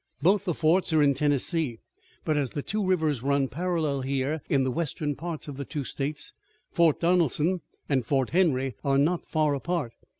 "Both the forts are in Tennessee, but as the two rivers run parallel here in the western parts of the two states, Fort Donelson and Fort Henry are not far apart.